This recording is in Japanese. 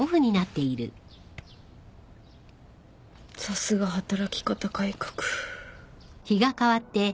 さすが働き方改革。